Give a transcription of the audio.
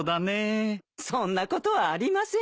そんなことはありませんよ。